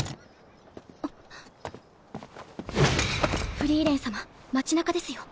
フリーレン様街中ですよ。